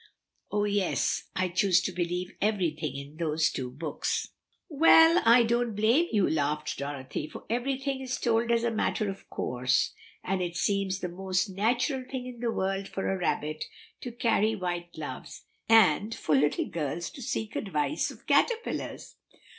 Oh, yes, I choose to believe everything in those two books." "Well, I don't blame you," laughed Dorothy, "for everything is told as a matter of course, and it seems the most natural thing in the world for a rabbit to carry white gloves, and for little girls to seek advice of caterpillars."